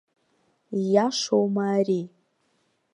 Ииашоума ари?